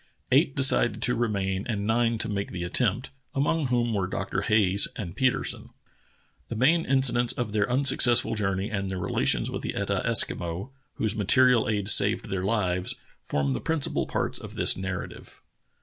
Eight decided to remain and nine to make the attempt, among whom were Dr. Hayes and Petersen. The main incidents of their unsuccessful journey and their relations with the Etah Eskimo, whose material aid saved their lives, form the principal parts of this narrative.